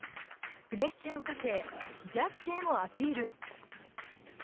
プレッシャーをかけジャッジへもアピール。